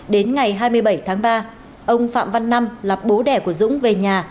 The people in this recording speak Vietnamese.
đến ngày hai mươi bảy tháng ba ông phạm văn năm là bố đẻ của dũng về nhà